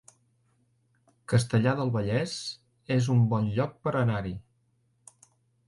Castellar del Vallès es un bon lloc per anar-hi